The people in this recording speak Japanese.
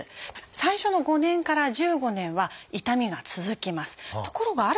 最初の５年から１５年は痛みが続きます。